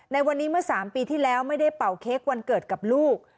ในวันนี้เมื่อ๓ปีที่แล้วไม่ได้เป่าเค้กวันเกิดกับลูก